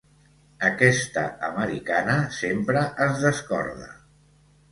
Aquesta americana sempre es descorda.